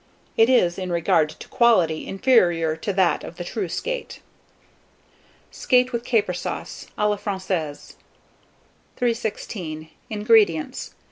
It is, in regard to quality, inferior to that of the true skate. SKATE WITH CAPER SAUCE (a la Francaise) 316. INGREDIENTS.